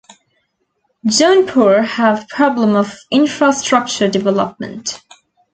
Jaunpur have problem of infrastructure development.